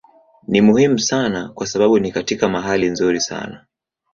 Ni muhimu sana kwa sababu ni katika mahali nzuri sana.